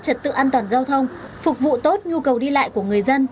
trật tự an toàn giao thông phục vụ tốt nhu cầu đi lại của người dân